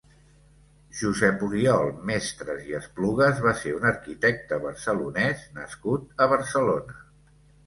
Josep Oriol Mestres i Esplugas va ser un arquitecte barcelonès nascut a Barcelona.